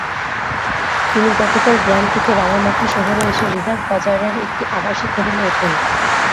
তিনি গতকাল গ্রাম থেকে রাঙামাটি শহরে এসে রিজার্ভ বাজারের একটি আবাসিক হোটেলে ওঠেন।